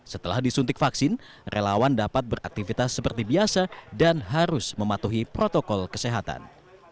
setelah disuntik vaksin relawan dapat beraktivitas seperti biasa dan harus mematuhi protokol kesehatan